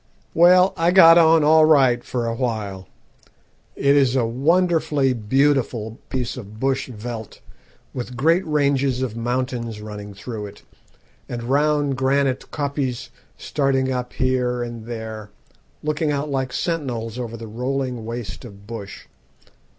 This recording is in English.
"Well, I got on all right for a while. It is a wonderfully beautiful piece of bush veldt, with great ranges of mountains running through it, and round granite koppies starting up here and there, looking out like sentinels over the rolling waste of bush.